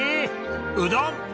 うどん！